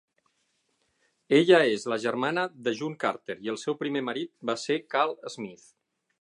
Ella és la germana de June Carter i el seu primer marit va ser Carl Smith.